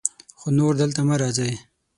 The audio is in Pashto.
خو نور دلته مه راځئ.